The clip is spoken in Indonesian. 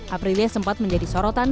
aprilia sempat menjadi seorang pemeriksaan